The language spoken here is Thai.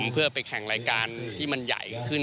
เพื่อไปแข่งรายการที่มันใหญ่ขึ้น